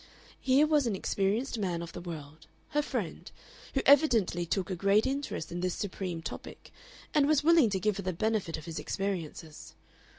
Here was an experienced man of the world, her friend, who evidently took a great interest in this supreme topic and was willing to give her the benefit of his experiences!